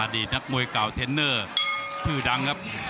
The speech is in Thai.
ดีตนักมวยเก่าเทนเนอร์ชื่อดังครับ